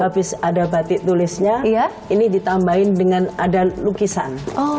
habis ada batik tulisnya ini ditambahin dengan ada lukisan